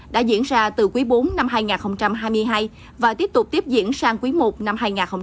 đã diễn ra từ quý bốn năm hai nghìn hai mươi hai và tiếp tục tiếp diễn sang quý i năm hai nghìn hai mươi bốn